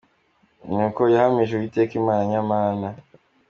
Uko niko yahamije Uwiteka Imana nyamana.